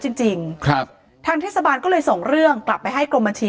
จริงจริงครับทางเทศบาลก็เลยส่งเรื่องกลับไปให้กรมบัญชี